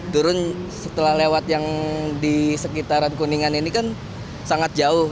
turun setelah lewat yang di sekitaran kuningan ini kan sangat jauh